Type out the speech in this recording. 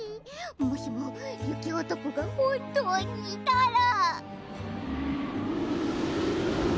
もしもゆきおとこがほんとうにいたら。